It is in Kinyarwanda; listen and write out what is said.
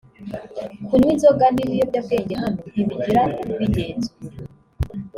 Kunywa inzoga n’ibiyobyabwenge hano ntibigira ubigenzura